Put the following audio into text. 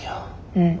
うん。